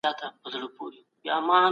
حاکمان کولای سي چي نوي مالیات ولګوي.